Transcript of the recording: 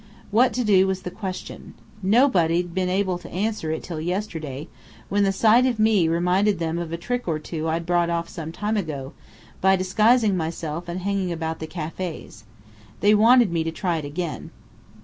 What to do, was the question. Nobody'd been able to answer it till yesterday, when the sight of me reminded them of a trick or two I'd brought off some time ago, by disguising myself and hanging about the cafés. They wanted me to try it again.